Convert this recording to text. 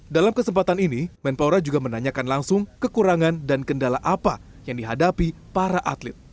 dalam kesempatan ini menpora juga menanyakan langsung kekurangan dan kendala apa yang dihadapi para atlet